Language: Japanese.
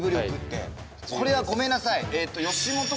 これはごめんなさい。